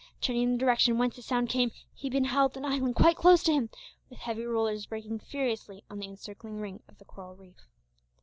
Turning in the direction whence the sound came, he beheld an island quite close to him, with heavy "rollers" breaking furiously on the encircling ring of the coral reef.